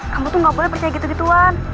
kamu tuh gak boleh percaya gitu gituan